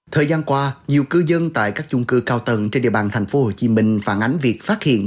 thời gian qua nhiều cư dân tại các chung cư cao tầng trên địa bàn thành phố hồ chí minh phản ánh việc phát hiện